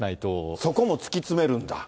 そこも突き詰めるんだ。